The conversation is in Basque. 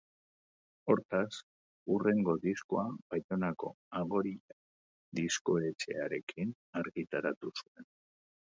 Hortaz, hurrengo diskoa Baionako Agorila diskoetxearekin argitaratu zuen.